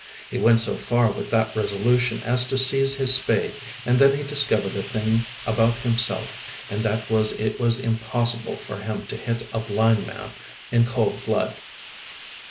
He went so far with that resolution as to seize his spade, and then he discovered a new thing about himself, and that was that it was impossible for him to hit a blind man in cold blood.